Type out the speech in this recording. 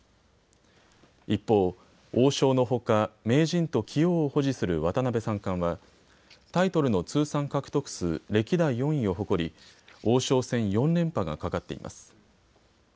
一方、王将のほか名人と棋王を保持する渡辺三冠はタイトルの通算獲得数歴代４位を誇り王将戦４連覇がかかっています。